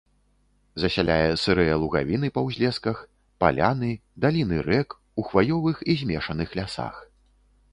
Засяляе сырыя лугавіны па ўзлесках, паляны, даліны рэк, у хваёвых і змешаных лясах.